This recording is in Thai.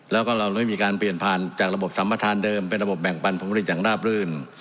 แล้วก็เราไม่มีการเปลี่ยนผ่านจากระบบสัมประธานเดิมเป็นระบบแบ่งปันผลผลิตอย่างราบรื่น